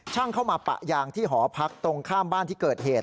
เข้ามาปะยางที่หอพักตรงข้ามบ้านที่เกิดเหตุ